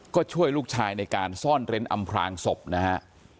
ก็ช่วยลูกชายในการซ่อนเร้นอำพลางศพนะฮะ